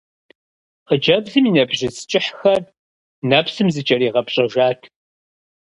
Хъыджэбзым и нэбжьыц кӀыхьхэр нэпсым зэкӀэригъэпщӀэжат.